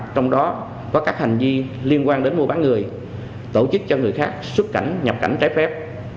trong đó có các hành vi liên quan đến mua bán người tổ chức cho người khác xuất cảnh nhập cảnh trái phép